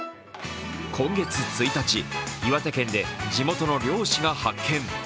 今月１日、岩手県で地元の漁師が発見。